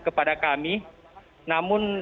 kepada kami namun